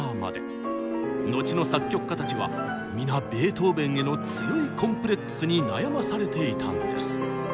後の作曲家たちは皆ベートーベンへの強いコンプレックスに悩まされていたんです。